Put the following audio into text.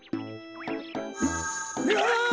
うわ！